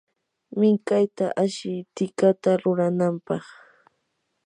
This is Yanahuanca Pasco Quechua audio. minkayta ashi tikata ruranampaq.